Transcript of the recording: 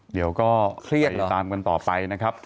เดี๋ยวก็ไปตามกันต่อไปนะครับ